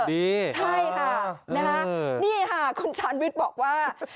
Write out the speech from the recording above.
ใช่ค่ะนี่ค่ะคุณชาวน์วิทย์บอกว่า